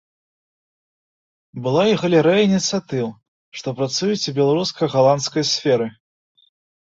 Была і галерэя ініцыятыў, што працуюць у беларуска-галандскай сферы.